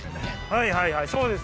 はいはいそうです